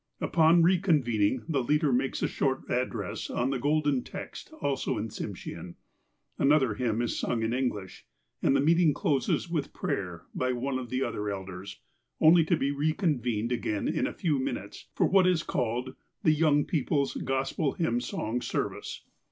Upon reconvening, the leader makes a short address on the golden text, also in Tsimshean. Another hymn is sung in English, and the meeting closes with prayer by one of the other elders, only to reconvene again in a few minutes for what is called the ''Young People's Gospel Hymn Song Service."